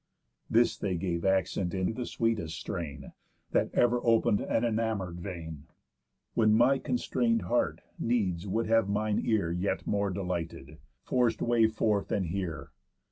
'_ This they gave accent in the sweetest strain That ever open'd an enamour'd vein. When my constrain'd heart needs would have mine ear Yet more delighted, force way forth, and hear.